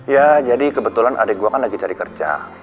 ya jadi kebetulan adik gua lagi cari kerja